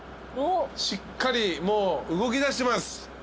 しっかりもう動きだしてます。